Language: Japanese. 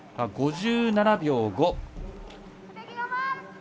５７秒５。